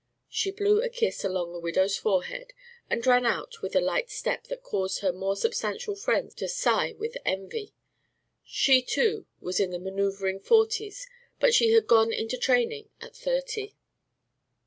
She blew a kiss along the widow's forehead and ran out with a light step that caused her more substantial friends to sigh with envy. She, too, was in the manoeuvring forties, but she had gone into training at thirty.